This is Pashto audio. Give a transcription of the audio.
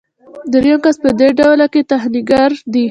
دریم کس په دې ډله کې تخنیکګر دی.